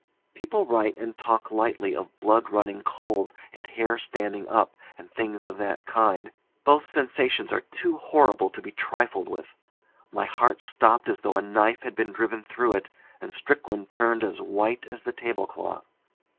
People write and talk lightly of blood running cold and hair standing up and things of that kind. Both sensations are too horrible to be trifled with. My heart stopped as though a knife had been driven through it, and Strickland turned as white as the tablecloth.